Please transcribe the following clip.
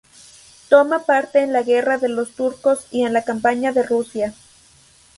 Toma parte en la guerra de los Turcos y en la campaña de Rusia.